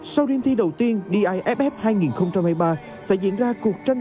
sau đêm thi đầu tiên d a f f hai nghìn hai mươi ba sẽ diễn ra cuộc tranh